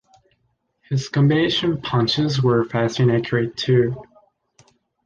His combination punches were fast and accurate too.